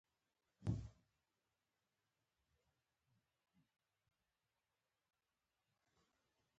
ته نه خپلېدونکی او نه رانیولى مې راونیولې.